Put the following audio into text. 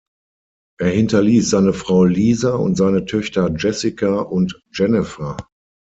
Er hinterließ seine Frau Lisa und seine Töchter Jessica und Jennifer.